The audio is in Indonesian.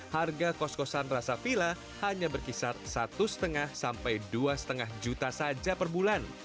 harga kos kosan rasa villa hanya berkisar satu lima sampai dua lima juta saja per bulan